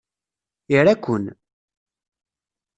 Ira-ken!